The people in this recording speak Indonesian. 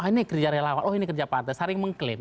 ini kerja relawan ini kerja partai saring mengklaim